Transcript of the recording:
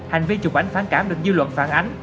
hành vi chụp ảnh phản cảm được dư luận phản ánh